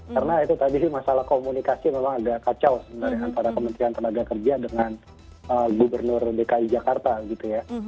karena itu tadi masalah komunikasi memang agak kacau sebenarnya antara kementerian tenaga kerja dengan gubernur dki jakarta gitu ya